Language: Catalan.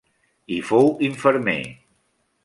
Hi fou infermer.